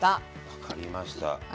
分かりました。